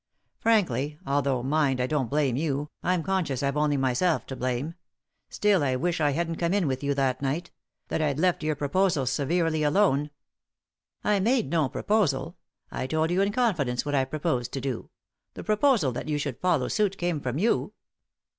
Frankly — although, mind, I don't blame you, I'm conscious I've only myself to blame — still I wish I hadn't come in with you that night ; that I'd left your proposal severely alone." "I made no proposal. I told you in confidence what I proposed to do ; the proposal that you should follow suit came from you."